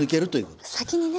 先にね。